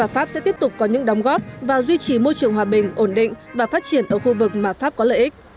pháp sẽ tiếp tục có những đóng góp và duy trì môi trường hòa bình ổn định và phát triển ở khu vực mà pháp có lợi ích